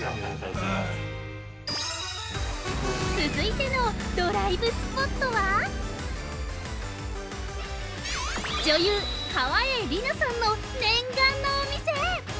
◆続いてのドライブスポットは女優、川栄李奈さんの念願のお店。